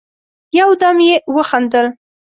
يودم يې وخندل: